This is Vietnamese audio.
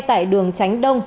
tại đường tránh đông